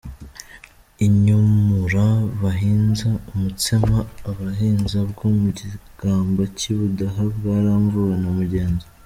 Inyimura – Bahinza :”Ubutsema Abahinza “ bwo mu Kigamba cy’i Budaha ,bwaramvuwe na Mugenza.